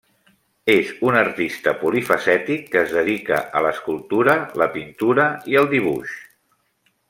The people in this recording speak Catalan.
És un artista polifacètic que es dedica a l'escultura, la pintura i el dibuix.